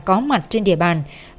có mặt trên địa bàn